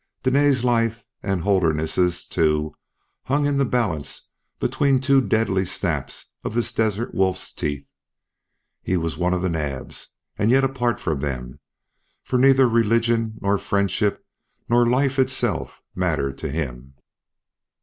Dene's life and Holderness's, too, hung in the balance between two deadly snaps of this desert wolf's teeth. He was one of the Naabs, and yet apart from them, for neither religion, nor friendship, nor life itself mattered to him.